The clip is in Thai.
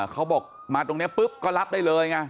เขาบอกมาตรงนี้ปุ๊บก็รับได้เลยไง